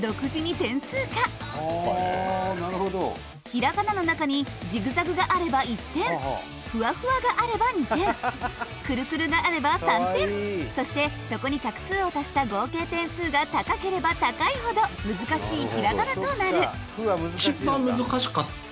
平仮名の中にジグザグがあれば１点ふわふわがあれば２点くるくるがあれば３点そしてそこに画数を足した合計点数が高ければ高いほど難しい平仮名となる。